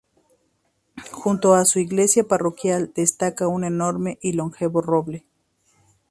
Junto a su iglesia parroquial destaca un enorme y longevo roble.